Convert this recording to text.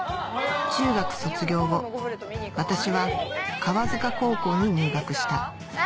中学卒業後私は川塚高校に入学したえ？